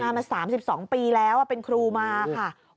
มา๓๒ปีแล้วเป็นครูมาค่ะ